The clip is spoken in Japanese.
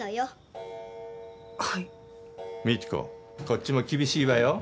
こっちも厳しいわよ。